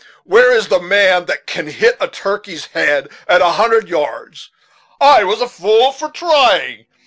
Where is the man that can hit a turkey's head at a hundred yards? I was a fool for trying.